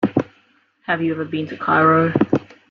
Have you ever been to Cairo?